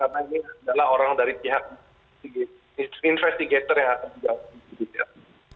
karena ini adalah orang dari pihak investigator yang akan menjawab